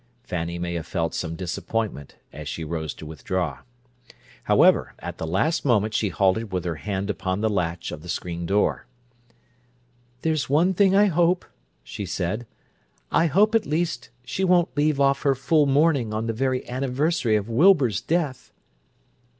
Fanny may have felt some disappointment as she rose to withdraw. However, at the last moment she halted with her hand upon the latch of the screen door. "There's one thing I hope," she said. "I hope at least she won't leave off her full mourning on the very anniversary of Wilbur's death!"